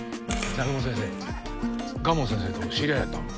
南雲先生賀門先生と知り合いやったん？